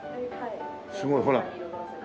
すごいほら。